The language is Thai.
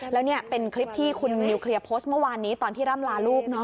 แล้วนี่เป็นคลิปที่คุณนิวเคลียร์โพสต์เมื่อวานนี้ตอนที่ร่ำลาลูก